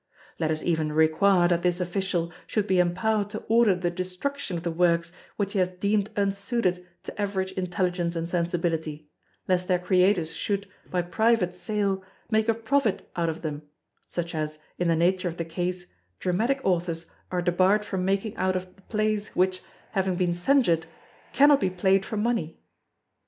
Let us even require that this official should be empowered to order the destruction of the works which he has deemed unsuited to average intelligence and sensibility, lest their creators should, by private sale, make a profit out of them, such as, in the nature of the case, Dramatic Authors are debarred from making out of plays which, having been censured, cannot be played for money.